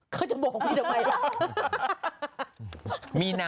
เค้าจะบอกนี่ต่อไปล่ะ